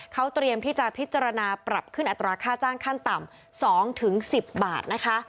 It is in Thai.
เขาเตรียมที่จะพิจารณาปรับขึ้นอัตราค่าจ้างขั้นต่ำ๒๑๐บาทนะคะ